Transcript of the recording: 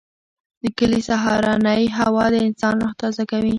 د کلي سهارنۍ هوا د انسان روح تازه کوي.